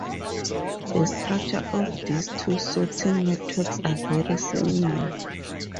The structure of these two sorting networks are very similar.